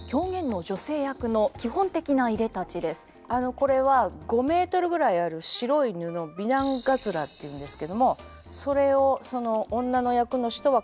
これは５メートルぐらいある白い布美男鬘っていうんですけどもそれを女の役の人はかけるんですね。